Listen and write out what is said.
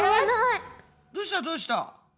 どうしたどうした？